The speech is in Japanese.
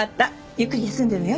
ゆっくり休んでるのよ。